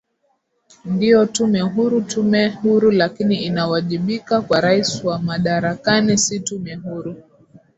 ndio tume huru tume huru lakini inawajibika kwa rais wa madarakani si tume huru